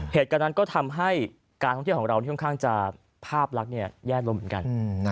เหตุการณ์นั้นก็ทำให้การท่องเที่ยวของเราค่อนข้างจะภาพลักษณ์แย่ลงเหมือนกัน